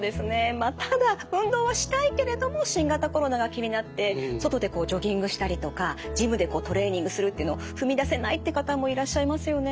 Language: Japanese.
まあただ運動はしたいけれども新型コロナが気になって外でジョギングしたりとかジムでトレーニングするっていうのを踏み出せないって方もいらっしゃいますよね。